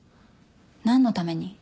何のために？